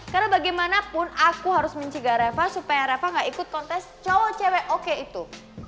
karena bagaimanapun aku harus mencegah reva supaya reva gak ikut kontes cowok cewek oke itu